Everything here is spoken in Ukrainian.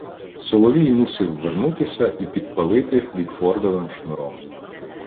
Соловій мусив вернутися і підпалити бікфордовим шнуром.